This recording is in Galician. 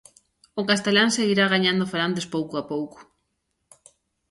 O castelán seguirá gañando falantes pouco a pouco.